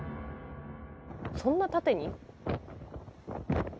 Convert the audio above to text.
そんな縦に！？